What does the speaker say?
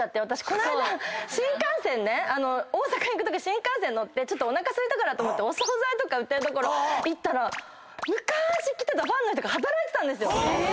この間新幹線ね大阪行くとき新幹線乗っておなかすいたからお総菜とか売ってる所行ったら昔来てたファンの人が働いてて。